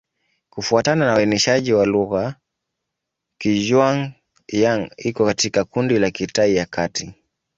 Kufuatana na uainishaji wa lugha, Kizhuang-Yang iko katika kundi la Kitai ya Kati.